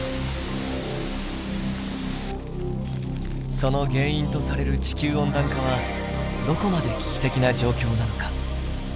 その原因とされる地球温暖化はどこまで危機的な状況なのか。